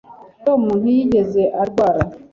tom ntiyigeze arwara